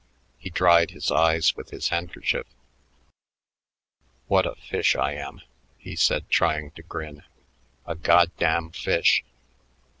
He dried his eyes with his handkerchief. "What a fish I am!" he said, trying to grin. "A goddamn fish."